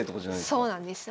そうなんです。